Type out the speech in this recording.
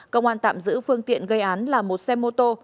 công an tạm giữ phương tiện gây án là một xe mô tô